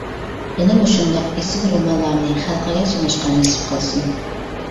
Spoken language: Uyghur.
يەنە مۇشۇنداق ئېسىل رومانلارنى خەلقىگە سۇنۇشقا نېسىپ قىلسۇن!